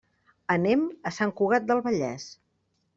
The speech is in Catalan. Anem a Sant Cugat del Vallès.